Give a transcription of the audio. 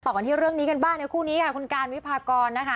ต่อกันที่เรื่องนี้กันบ้างในคู่นี้คุณการวิพากร